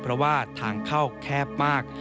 เพราะว่าทางเข้าแคบมาก